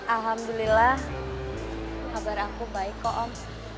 alhamdulillah kabar aku baik kok om